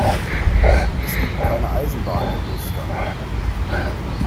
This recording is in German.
Es gibt keine Eisenbahn in Luster.